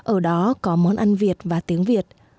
ở đó có món ăn việt và tiếng việt